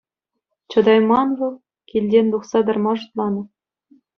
Чӑтайман вӑл, килтен тухса тарма шутланӑ.